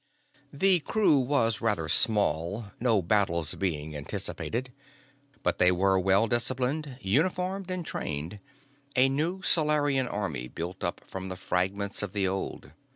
The crew was rather small, no battles being anticipated. But they were well disciplined, uniformed and trained, a new Solarian army built up from the fragments of the old.